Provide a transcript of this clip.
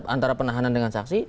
antara penahanan dengan saksi